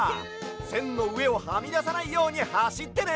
せんのうえをはみださないようにはしってね！